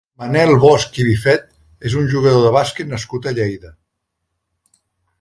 Manel Bosch i Bifet és un jugador de bàsquet nascut a Lleida.